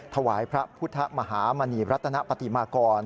ถวายพระพุทธมหามณีรัตนปฏิมากร